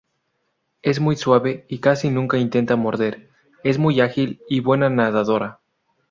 Es muy suave y casi nunca intenta morder, es muy ágil y buena nadadora.